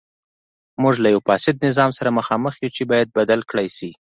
موږ له یوه فاسد نظام سره مخامخ یو چې باید بدل کړای شي.